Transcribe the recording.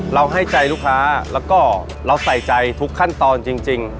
ให้ใจลูกค้าแล้วก็เราใส่ใจทุกขั้นตอนจริง